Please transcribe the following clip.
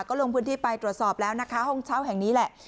ก็ลงพื้นที่ไปตรวจสอบแล้วนะคะห้องเช่าแห่งนี้แหละ